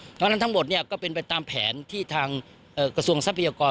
เพราะฉะนั้นทั้งหมดก็เป็นไปตามแผนที่ทางกระทรวงทรัพยากร